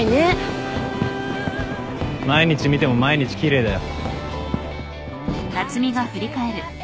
毎日見ても毎日奇麗だよ。